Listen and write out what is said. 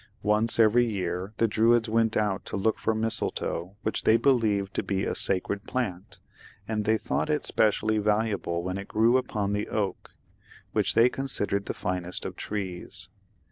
Once every year the Druids went out to look for mistletoe, which they believed to be a sacred plant, and they thought it specially valuable when it grew upon the oak, which they considered the finest of trees.